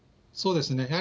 そうですね。